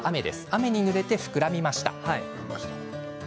雨にぬれて膨らみました。